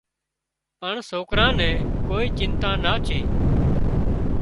پڻ سوڪران نين ڪوئي چنتا نا ڇي